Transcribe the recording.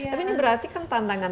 tapi ini berarti kan tantangan